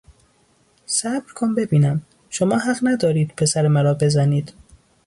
صبر کن ببینم، شما حق ندارید پسر مرا بزنید!